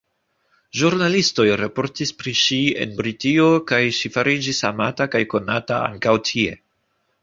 Ĵurnalistoj raportis pri ŝi en Britio kaj ŝi fariĝis amata kaj konata ankaŭ tie.